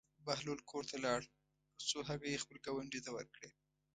بهلول کور ته لاړ او څو هګۍ یې خپل ګاونډي ته ورکړې.